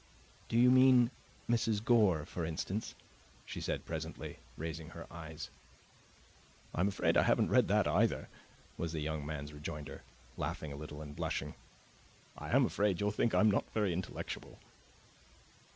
"Do you mean Mrs. Gore, for instance?" she said presently, raising her eyes. "I am afraid I haven't read that, either," was the young man's rejoinder, laughing a little and blushing. "I am afraid you'll think I am not very intellectual."